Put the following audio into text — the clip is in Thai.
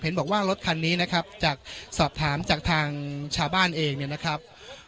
บอกว่ารถคันนี้นะครับจากสอบถามจากทางชาวบ้านเองเนี่ยนะครับ